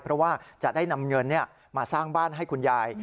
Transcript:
เพราะว่าจะได้นำเงินมาสร้างบ้านให้คุณยาย